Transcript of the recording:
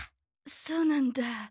そうなんだ。